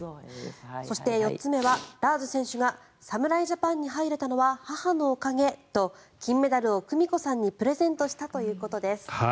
そして４つ目は、ラーズ選手が侍ジャパンに入れたのは母のおかげと金メダルを久美子さんにプレゼントしたということです。